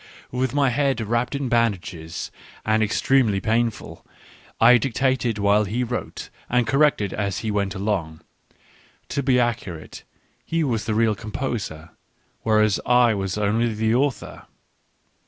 With my head wrapped in bandages, and extremely painful, I dictated while he wrote and corrected as he went along — to be accurate, he was the real composer, whereas I was only the author.